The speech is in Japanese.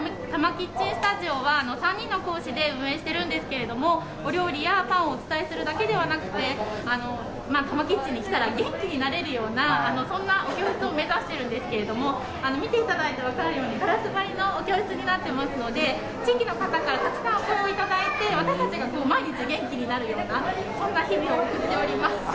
キッチンスタジオは、３人の講師で運営しているんですけれども、お料理やパンをお伝えするだけではなくて、たまキッチンに来たら、そんなお店を目指してるんですけれども、見ていただいたら分かるように、ガラス張りのお教室になってますので、地域の方からたくさんお声をいただいて、私たちが毎日元気になるような、そんな日々を送っております。